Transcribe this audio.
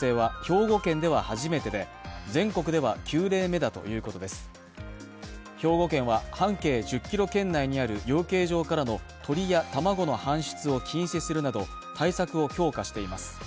兵庫県は半径１０ｋｍ圏内にある養鶏場からの鶏や卵の搬出を禁止するなど対策を強化しています。